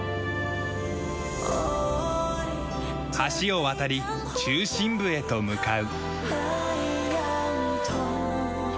橋を渡り中心部へと向かう。